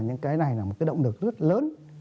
những cái này là một cái động lực rất lớn